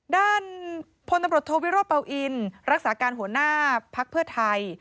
ด้านพลตำรวจโทวิโรเป่าอินรักษาการหัวหน้าภักดิ์เพื่อไทย